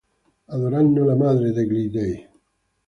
Adorano la Madre degli Dei.